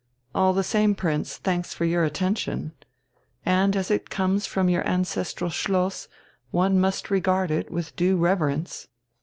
All the same, Prince, thanks for your attention. And as it comes from your ancestral Schloss, one must regard it with due reverence."